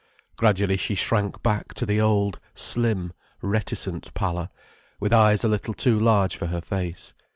Gradually she shrank back to the old, slim, reticent pallor, with eyes a little too large for her face.